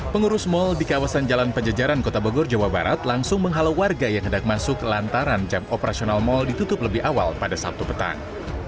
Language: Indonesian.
pengurus mal di kawasan jalan penjejaran kota bogor jawa barat langsung menghalau warga yang hendak masuk lantaran jam operasional mal ditutup lebih awal pada sabtu petang